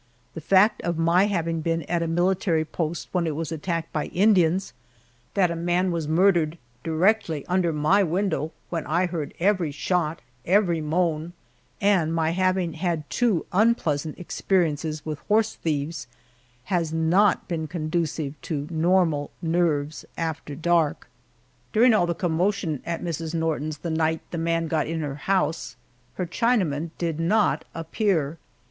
The fact of my having been at a military post when it was attacked by Indians that a man was murdered directly under my window, when I heard every shot, every moan and my having had two unpleasant experiences with horse thieves, has not been conducive to normal nerves after dark. During all the commotion at Mrs. Norton's the night the man got in her house, her Chinaman did not appear.